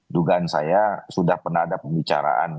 dugaan saya sudah pernah ada pembicaraan